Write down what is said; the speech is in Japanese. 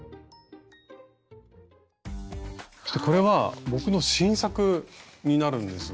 これは僕の新作になるんですが。